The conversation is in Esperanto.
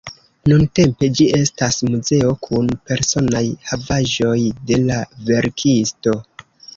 Nuntempe ĝi estas muzeo kun personaj havaĵoj de la verkisto.